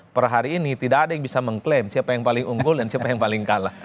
per hari ini tidak ada yang bisa mengklaim siapa yang paling unggul dan siapa yang paling kalah